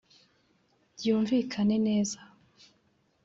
Byumvikane neza